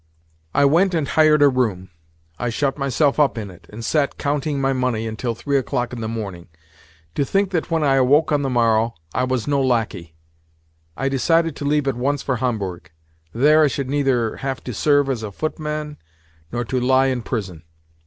I went and hired a room, I shut myself up in it, and sat counting my money until three o'clock in the morning. To think that when I awoke on the morrow, I was no lacquey! I decided to leave at once for Homburg. There I should neither have to serve as a footman nor to lie in prison.